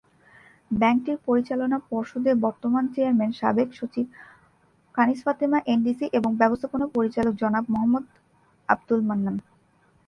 ব্যাংকটির পরিচালনা পর্ষদের বর্তমান চেয়ারম্যান সাবেক সচিব কানিজ ফাতেমা, এনডিসি এবং ব্যবস্থাপনা পরিচালক জনাব মোহাম্মদ আব্দুল মান্নান।